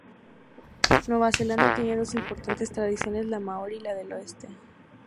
Nueva Zelanda tiene dos importantes tradiciones: la maorí y la del oeste.